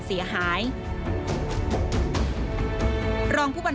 สมทรณ์อธิบาย